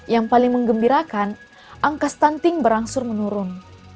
yang paling mengembirakan angka stunting berangsur menurun